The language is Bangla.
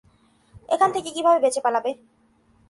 এখান থেকে কীভাবে বেঁচে পালাবে?